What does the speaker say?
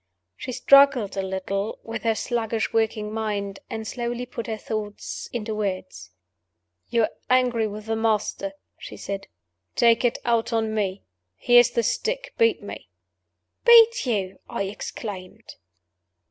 She struggled a little with her sluggishly working mind, and slowly put her thoughts into words. "You're angry with the Master," she said. "Take it out on Me. Here's the stick. Beat me." "Beat you!" I exclaimed.